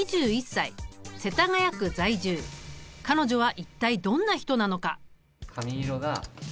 彼女は一体どんな人なのか？